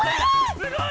すごい！